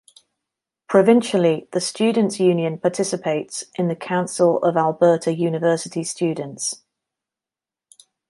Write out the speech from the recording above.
Provincially, the Students' Union participates in the Council of Alberta University Students.